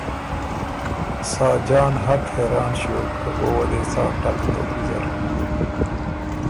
ساجان حق حېران ݭیوک که او وه دې څا ټک دوک ویزر۔